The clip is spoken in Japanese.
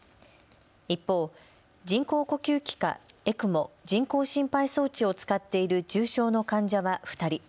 一方、人工呼吸器かＥＣＭＯ・人工心肺装置を使っている重症の患者は２人。